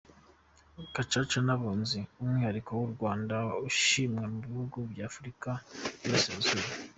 Gacaca n’Abunzi umwihariko w’u Rwanda ushimwa mu bihugu by’Afurika y’Iburasirazuba